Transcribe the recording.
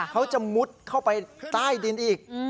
เขาจะมุดเข้าไปใต้ดินอีก